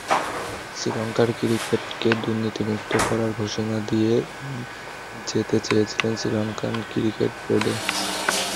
শ্রীলঙ্কার ক্রিকেটকে দুর্নীতিমুক্ত করার ঘোষণা দিয়ে যেতে চেয়েছিলেন শ্রীলঙ্কান ক্রিকেট বোর্ডে।